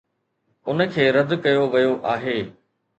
ان کي رد ڪيو ويو آهي.